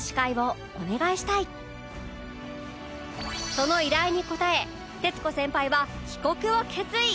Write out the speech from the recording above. その依頼に応え徹子先輩は帰国を決意